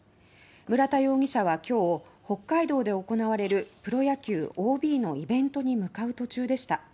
村田容疑者は今日北海道で行われるプロ野球ＯＢのイベントに向かう途中でした。